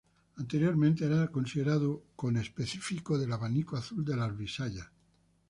Anteriormente era considerado conespecífico del abanico azul de las Bisayas.